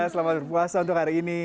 selamat berpuasa untuk hari ini